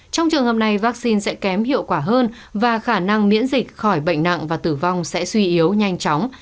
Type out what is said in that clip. trong trường hợp này vaccine sẽ kém hiệu quả hơn và khả năng miễn dịch khỏi bệnh nặng và tử vong sẽ suy yếu nhanh chóng